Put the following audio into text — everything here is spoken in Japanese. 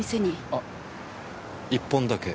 あ１本だけ？